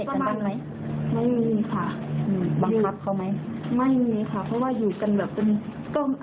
ไม่มีค่ะเพราะว่าอยู่กันแบบเป็น